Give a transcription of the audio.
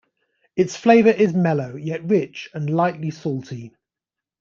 Its flavor is mellow, yet rich, and lightly salty.